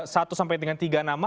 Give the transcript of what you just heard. satu sampai dengan tiga nama